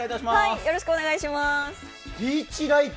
よろしくお願いします。